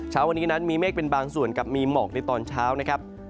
เช้าวันนี้นั้นมีเมฆเป็นบางส่วนกับมีหมอกในตอนเช้านะครับ